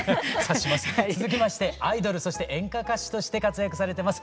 続きましてアイドルそして演歌歌手として活躍されてます